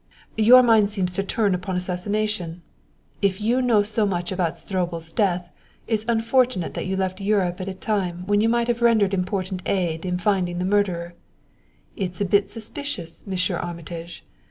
"Your mind seems to turn upon assassination. If you know so much about Stroebel's death, it's unfortunate that you left Europe at a time when you might have rendered important aid in finding the murderer. It's a bit suspicious, Monsieur Armitage!